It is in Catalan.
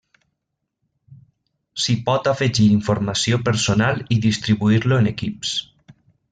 S'hi pot afegir informació personal i distribuir-lo en equips.